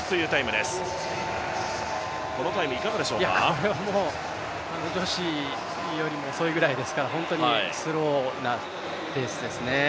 これは女子よりも遅いぐらいですから、本当にスローなペースですね。